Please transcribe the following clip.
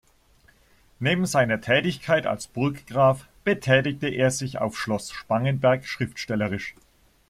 Neben seiner Tätigkeit als Burggraf betätigte er sich auf Schloss Spangenberg schriftstellerisch.